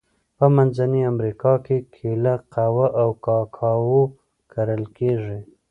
په منځنۍ امریکا کې کېله، قهوه او کاکاو کرل کیږي.